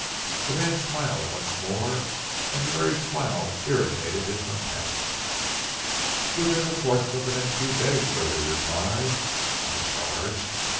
The man smiled once more, and the very smile irritated his companion. "Within the course of the next few days, sir," he replied. "And the charge?"